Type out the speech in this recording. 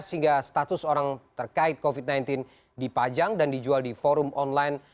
sehingga status orang terkait covid sembilan belas dipajang dan dijual di forum online